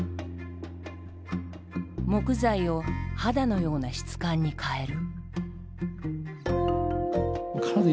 木材を肌のような質感に変える。